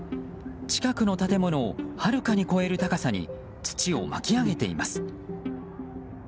近くの建物をはるかに超える高さに土を巻き上げています。